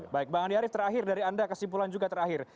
baik bang andi arief terakhir dari anda kesimpulan juga terakhir